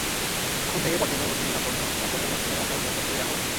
তখন থেকে কনটেইনার-ভর্তি নিলাম পণ্য বন্দরের কনটেইনার রাখার মূল চত্বরেই রাখা হতো।